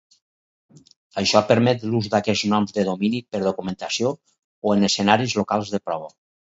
Això permet l'ús d'aquests noms de domini per documentació o en escenaris locals de prova.